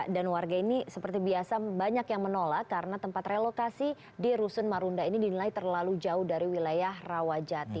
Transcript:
dan warga ini seperti biasa banyak yang menolak karena tempat relokasi di rusun marunda ini dinilai terlalu jauh dari wilayah rawajati